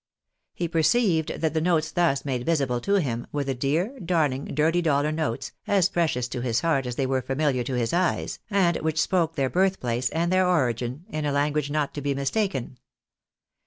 He perceived that the notes thus made visible to him, were the dear, darhng, dirty dollar notes, as precious to his heart as they were familiar to his eyes, and which spoke their birth place and their origin in a language not to be mistaken.